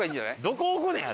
どこ置くねん！